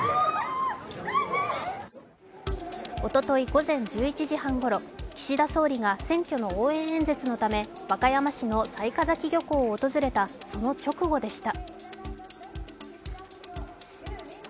午前１１時半ごろ、岸田総理が選挙の応援演説のため和歌山市の雑賀崎漁港を訪れたその直後でした。